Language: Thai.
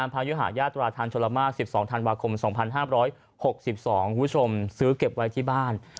พยตช๑๒ธว๒๕๖๒ผู้ชมซื้อเก็บไว้ที่บ้าน